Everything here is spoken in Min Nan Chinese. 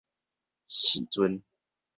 時陣